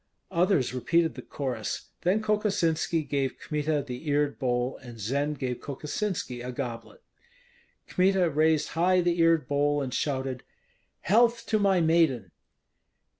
Others repeated the chorus; then Kokosinski gave Kmita the eared bowl, and Zend gave Kokosinski a goblet. Kmita raised high the eared bowl and shouted, "Health to my maiden!"